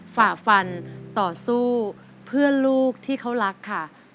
ฝ่าฟันต่อสู้เพื่อลูกที่เขารักค่ะ